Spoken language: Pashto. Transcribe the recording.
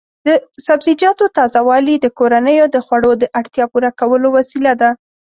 د سبزیجاتو تازه والي د کورنیو د خوړو د اړتیا پوره کولو وسیله ده.